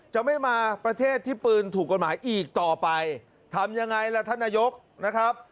จะไม่มาประเทศที่ปืนถูกกฎหมายอีกต่อไปทำยังไงล่ะท่านนายกนะครับ